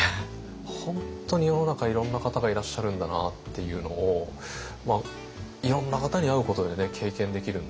本当に世の中いろんな方がいらっしゃるんだなっていうのをいろんな方に会うことでね経験できるんで。